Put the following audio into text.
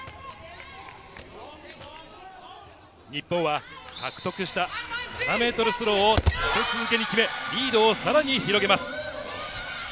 日本は獲得した７ｍスローを立て続けに決め、リードをさらに広げます。